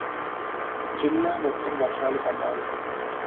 జిల్లా మొత్తం వర్షాలు పడ్డాయి.